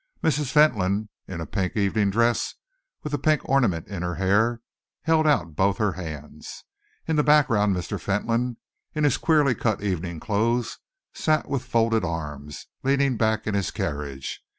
Mrs. Fentolin, in a pink evening dress, with a pink ornament in her hair, held out both her hands. In the background, Mr. Fentolin, in his queerly cut evening clothes, sat with folded arms, leaning back in his carriage.